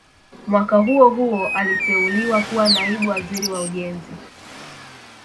Mwaka huo huo aliteuliwa kuwa Naibu Waziri wa Ujenzi